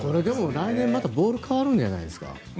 来年もボール変わるんじゃないですか？